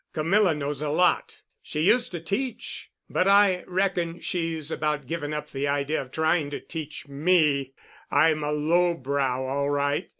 Camilla knows a lot. She used to teach, but I reckon she's about given up the idea of trying to teach me. I'm a low brow all right.